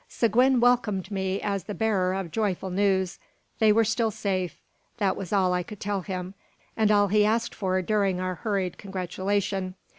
Seguin welcomed me as the bearer of joyful news. They were still safe. That was all I could tell him, and all he asked for during our hurried congratulation.